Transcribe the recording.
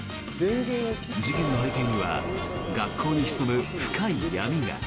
事件の背景には学校に潜む深い闇が。